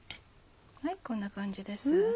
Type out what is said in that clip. こんな感じです。